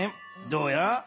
どうや？